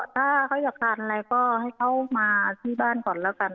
ถ้าเขาอยากทานอะไรก็ให้เขามาที่บ้านก่อนแล้วกัน